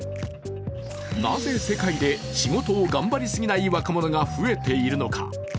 なぜ世界で仕事を頑張りすぎない若者が増えているのか。